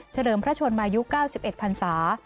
เลิมพระชนมายุ๙๑พันศา